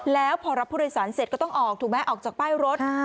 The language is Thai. แล้วพอรับผู้โดยสารเสร็จก็ต้องออกถูกไหมออกจากป้ายรถ